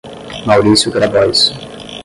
Mauricio Grabois